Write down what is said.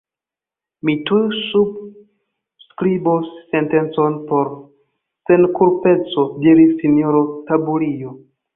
Mi tuj subskribos sentencon por senkulpeco, diris sinjoro Taburio.